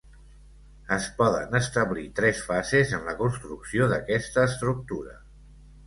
Es poden establir tres fases en la construcció d'aquesta estructura.